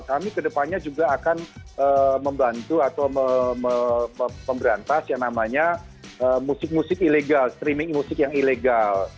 kami kedepannya juga akan membantu atau memberantas yang namanya musik musik ilegal streaming musik yang ilegal